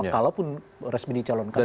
kalau pun resmi dicalonkan